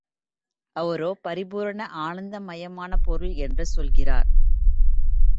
அவரோ பரிபூரண ஆனந்த மயமான பொருள் என்று சொல்கிறார்.